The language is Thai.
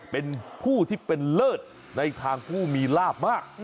เป็นผู้ที่เป็นเลิศในทางผู้มีลาบมาก